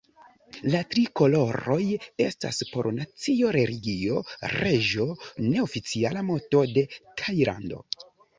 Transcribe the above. La tri koloroj estas por nacio-religio-reĝo, neoficiala moto de Tajlando.